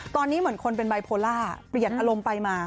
ตอนนี้เหมือนคนเป็นไบโพล่าเปลี่ยนอารมณ์ไปมา